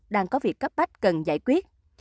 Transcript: đang có việc cấp bách cần giải quyết